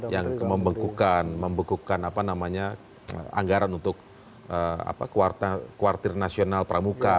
yang membengkukan anggaran untuk kuartir nasional pramuka